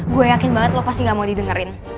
gue yakin banget lo pasti gak mau didengerin